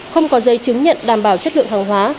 không có giấy chứng nhận đảm bảo chất lượng hàng hóa